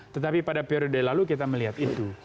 tetapi pada periode lalu kita melihat itu